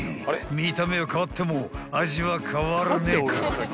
見た目は変わっても味は変わらねえからな］